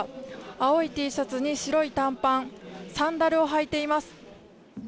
青いＴシャツに白い短パン、サンダルを履いています。